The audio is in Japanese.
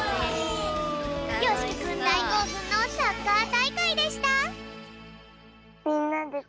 よしきくんだいこうふんのサッカーたいかいでした。